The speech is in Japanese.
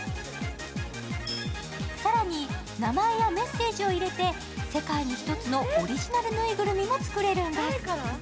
更に、名前やメッセージを入れて世界に１つだけのオリジナル縫いぐるみも作れるんです。